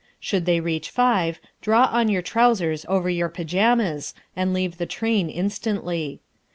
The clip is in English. Should they reach five, draw on your trousers over your pyjamas and leave the train instantly.